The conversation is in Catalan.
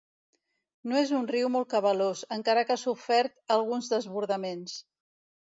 No és un riu molt cabalós, encara que ha sofert alguns desbordaments.